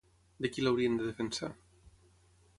De qui l'haurien de defensar?